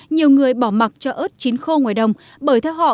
nhiều người bỏ mặt cho ớt chín khô ngoài đồng bởi theo họ